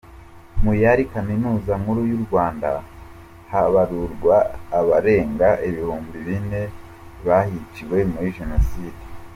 Mu yari Kaminuza Nkuru y’u Rwanda habarurwa abarenga ibihumbi bine bahiciwe muri Jenoside.